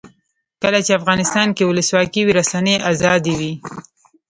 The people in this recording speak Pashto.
کله چې افغانستان کې ولسواکي وي رسنۍ آزادې وي.